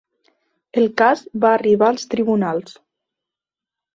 El cas va arribar als tribunals.